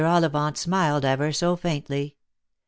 Ollivant smiled ever so faintly.